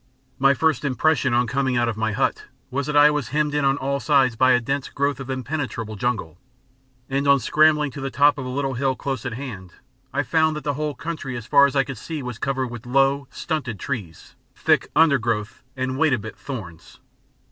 My first impression on coming out of my hut was that I was hemmed in on all sides by a dense growth of impenetrable jungle: and on scrambling to the top of a little hill close at hand, I found that the whole country as far as I could see was covered with low, stunted trees, thick undergrowth and "wait a bit" thorns.